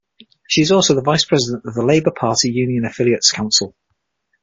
She is also the Vice-President of the Labour Party Union Affiliates Council.